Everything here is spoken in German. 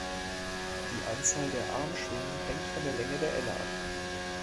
Die Anzahl der Armschwingen hängt von der Länge der Elle ab.